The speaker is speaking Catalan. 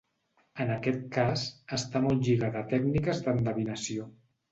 En aquest cas, està molt lligada a tècniques d'endevinació.